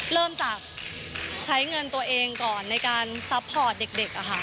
เริ่มจากใช้เงินตัวเองก่อนในการซัพพอร์ตเด็กอะค่ะ